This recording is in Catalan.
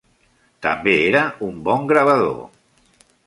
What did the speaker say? També era un bon gravador.